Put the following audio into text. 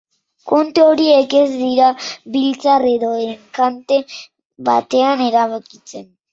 Kontu horiek ez dira biltzar edo enkante batean erabakitzen.